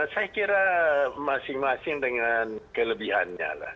saya kira masing masing dengan kelebihannya lah